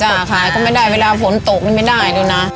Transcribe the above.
ใช่ค่ะขายก็ไม่ได้เวลาฝนตกนี่ไม่ได้ดูนะ